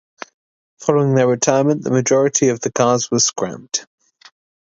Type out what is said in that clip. Following their retirement, the majority of the cars were scrapped.